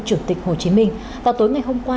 chủ tịch hồ chí minh vào tối ngày hôm qua